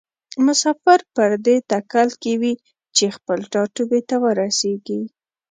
مسافر پر دې تکل کې وي چې خپل ټاټوبي ته ورسیږي.